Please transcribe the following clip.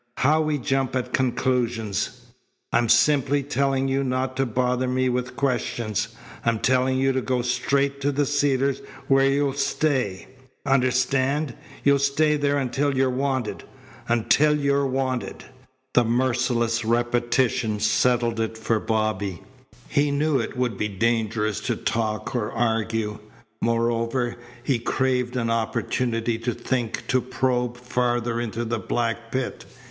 "How we jump at conclusions! I'm simply telling you not to bother me with questions. I'm telling you to go straight to the Cedars where you'll stay. Understand? You'll stay there until you're wanted Until you're wanted." The merciless repetition settled it for Bobby. He knew it would be dangerous to talk or argue. Moreover, he craved an opportunity to think, to probe farther into the black pit.